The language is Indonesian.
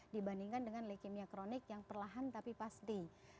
dibandingkan dengan leukemia kronik yang perlahan tapi pasti